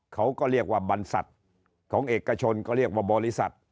เขาก็เรียกว่าบรรษัทของเอกชนก็เรียกว่าบริษัท